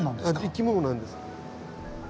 生き物なんです。